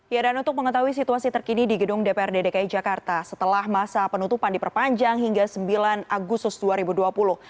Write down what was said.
ya dan untuk mengetahui situasi terkini di gedung dprd dki jakarta setelah masa penutupan diperpanjang hingga sembilan agustus dua ribu dua puluh